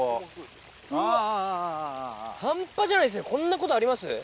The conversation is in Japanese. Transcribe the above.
半端じゃないですねこんなことあります